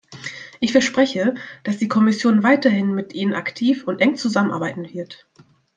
Ich verspreche, dass die Kommission weiterhin mit Ihnen aktiv und eng zusammenarbeiten wird.